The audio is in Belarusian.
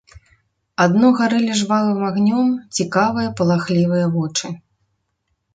Адно гарэлі жвавым агнём цікавыя палахлівыя вочы.